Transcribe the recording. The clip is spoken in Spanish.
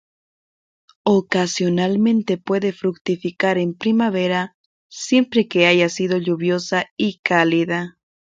Ocasionalmente puede fructificar en primavera, siempre que haya sido lluviosa y cálida.